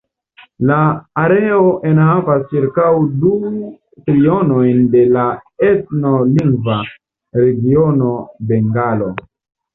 La areo enhavas ĉirkaŭ du trionojn de la etno-lingva regiono Bengalo.